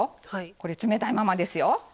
これ冷たいままですよ。